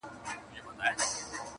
یوې ښځي وه د سر وېښته شکولي -